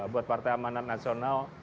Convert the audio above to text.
buat partai amanat nasional